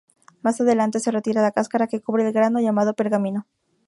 Más adelante, se retira la cáscara que cubre el grano, llamada pergamino.